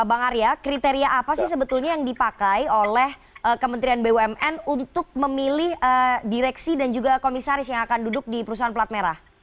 bang arya kriteria apa sih sebetulnya yang dipakai oleh kementerian bumn untuk memilih direksi dan juga komisaris yang akan duduk di perusahaan pelat merah